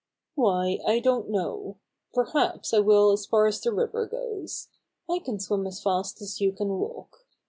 "Why, I don't know. Perhaps I will as far as the river goes. I can swim as fast as you can walk.